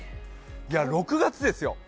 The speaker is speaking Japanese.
６月ですよ。